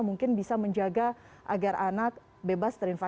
mungkin bisa menjaga agar anak bebas terinfeksi